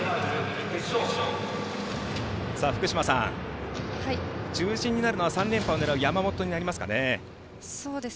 福島さん、中心になるのは３連覇を狙う山本になりますかね？